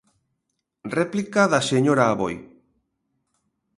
Réplica da señora Aboi.